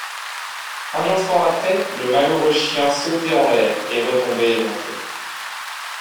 Un instant après, le malheureux chien sautait en l’air, et retombait éventré.